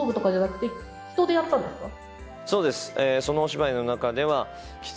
そうです。